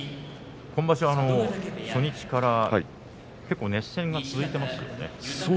今場所は初日から熱戦が続いてますね。